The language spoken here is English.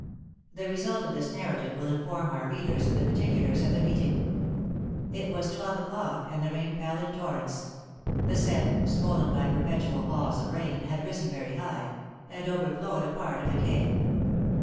The result of this narrative will inform our readers of the particulars of the meeting. It was twelve o'clock, and the rain fell in torrents; the Seine, swollen by perpetual falls of rain, had risen very high, and overflowed a part of the quay.